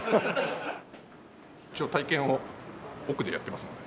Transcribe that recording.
一応体験を奥でやってますので。